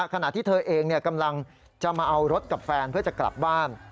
ขณะที่เธอเองกำลังจะมาเอารถกับแฟนเพื่อจะกลับบ้าน